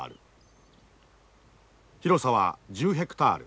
広さは１０ヘクタール。